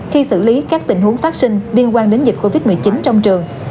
khi xử lý các tình huống phát sinh liên quan đến dịch covid một mươi chín trong trường